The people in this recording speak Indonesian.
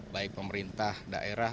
baik pemerintah daerah